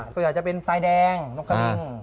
ส่วนใหญ่จะเป็นสายแดงนกกะตึง